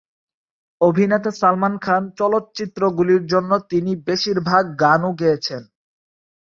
অভিনেতা সালমান খান চলচ্চিত্রগুলির জন্য তিনি বেশিরভাগ গানও গেয়েছেন।